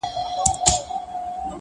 ..غزل..